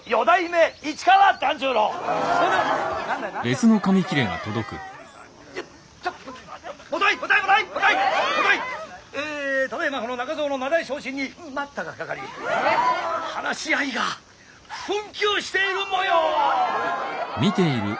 この中蔵の名題昇進に待ったがかかり話し合いが紛糾しているもよう！